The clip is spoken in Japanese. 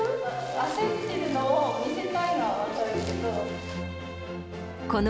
焦ってるのを見せたいのは分かるけど。